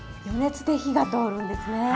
余熱で火が通るんですね。